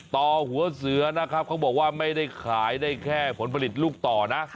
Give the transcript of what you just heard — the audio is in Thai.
ต่อหัวเสือนะครับเขาบอกว่าไม่ได้ขายได้แค่ผลผลิตลูกต่อนะ